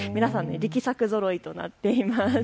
力作ぞろいとなっています。